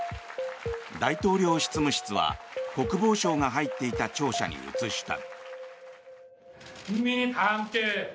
大統領執務室は国防省が入っていた庁舎に移した。